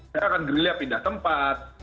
saya akan gerilya pindah tempat